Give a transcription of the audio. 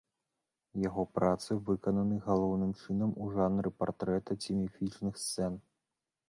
Яго працы выкананы галоўным чынам у жанры партрэта ці міфічных сцэн.